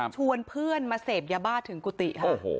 ชวนเพื่อนมาเสพยาบ้าถึงกุฏิค่ะ